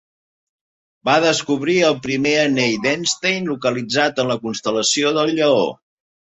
Va descobrir el primer anell d'Einstein localitzat en la constel·lació del Lleó.